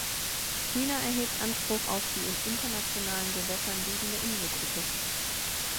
China erhebt Anspruch auf die in internationalen Gewässern liegende Inselgruppe.